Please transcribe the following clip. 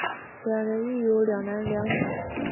两人育有两男两女。